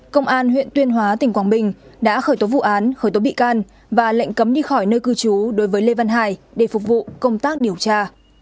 công an huyện tuyên hóa tỉnh quảng bình đã khởi tố vụ án khởi tố bị can và lệnh cấm đi khỏi nơi cư trú đối với lê văn hải để phục vụ công tác điều tra